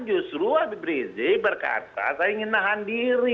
justru abib rizie berkata saya ingin nahan diri